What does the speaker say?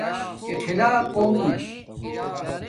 اخلاقونݣ